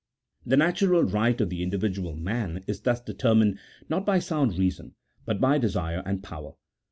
The natural right of the individual man is thus deter mined, not by sound reason, but by desire and power.